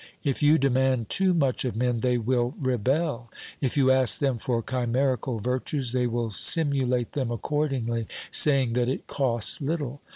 If you demand too much of men they will rebel ; if you ask them for chimerical virtues they will simulate them accordingly, saying that it costs little.